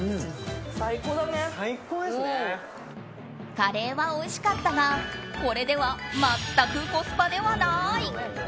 カレーはおいしかったがこれでは全くコスパではない。